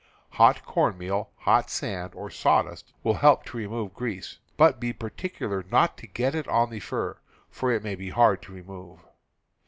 Hot corn meal, hot sand, or sawdust, will help to remove grease; but be particular not to get it on the fur, for it may be hard to remove.